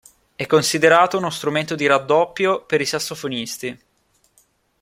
È considerato uno strumento di raddoppio per i sassofonisti.